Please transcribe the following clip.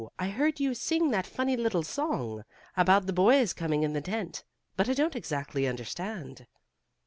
I heard you sing that funny little song, about the boys coming in the tent. But I don't exactly understand."